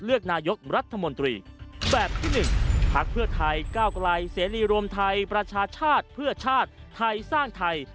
เพื่อไทยเก้าไกลเซรียมรวมไทยประชาชาติเพื่อชาติไทยสร้างไทย